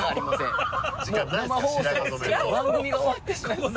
番組が終わってしまいます。